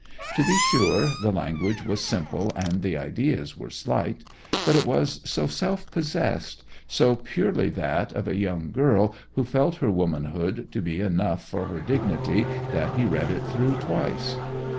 To be sure the language was simple and the ideas were slight; but it was so self possessed; so purely that of a young girl who felt her womanhood to be enough for her dignity that he read it through twice.